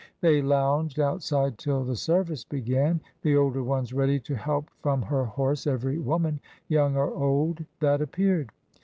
They lounged outside till the service began, the older ones ready to help from her horse every woman, young or old, that appeared.